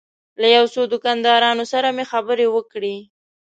له یو څو دوکاندارانو سره مې خبرې وکړې.